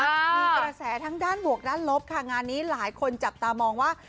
มีกระแสทั้งด้านบวกด้านลบค่ะงานนี้หลายคนจับตามองว่า